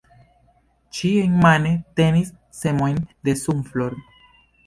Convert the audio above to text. Ŝi enmane tenis semojn de sunflor.